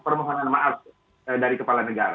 permohonan maaf dari kepala negara